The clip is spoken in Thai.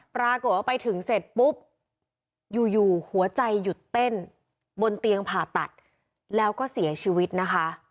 ปรากฏว่าไปถึงเสร็จปุ๊บอยู่หัวใจหยุดเต้นบนเตียงผ่าตัดแล้วก็เสียชีวิตนะคะ